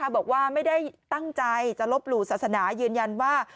บอกว่าไม่ได้ตั้งใจจะลบหลู่ศาสนายืนยันว่า